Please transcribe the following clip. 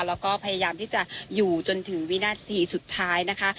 แล้วก็พยายามที่จะอยู่จนถึงวินาทีสุดท้ายนะคะ